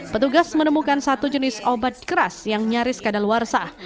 petugas menemukan satu jenis obat keras yang nyaris keadaan luar sah